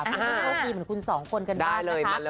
เพื่อนพระเจ้าพี่เหมือนคุณสองคนกันบ้างนะคะ